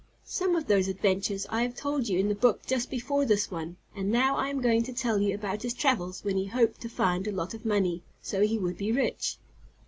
Some of those adventures I have told you in the book just before this one, and now I am going to tell you about his travels when he hoped to find a lot of money, so he would be rich.